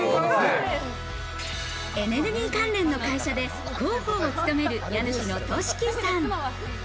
エネルギー関連の会社で広報を務める家主の敏樹さん。